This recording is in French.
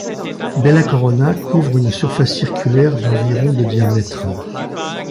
Beyla Corona couvre une surface circulaire d'environ de diamètre.